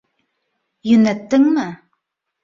Йүнәттеңме?